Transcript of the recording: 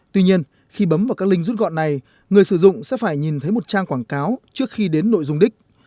tuy nhiên khi bấm vào các link rút gọn này người sử dụng sẽ phải nhìn thấy một trang quảng cáo trước khi đến nội dung đích